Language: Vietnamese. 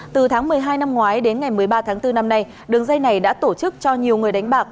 từ tháng một mươi hai năm ngoái đến ngày một mươi ba tháng bốn năm nay đường dây này đã tổ chức cho nhiều người đánh bạc